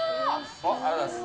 ありがとうございます。